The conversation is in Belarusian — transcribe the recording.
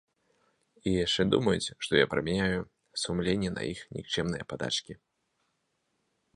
І яшчэ думаюць, што я прамяняю сумленне на іх нікчэмныя падачкі.